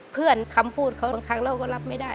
คำพูดเขาบางครั้งเราก็รับไม่ได้